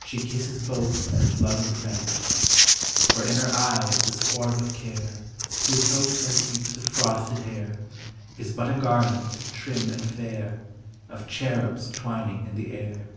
She kisses both as loving friends; For in her eyes this orb of care, Whose hopes are heaps of frosted hair, Is but a garland, trim and fair. Of cherubs twining in the air.